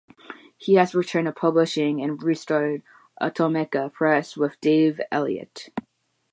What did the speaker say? He has returned to publishing and restarted Atomeka Press with Dave Elliott.